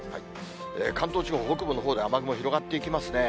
関東地方、北部のほうで雨雲広がっていきますね。